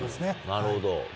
なるほど。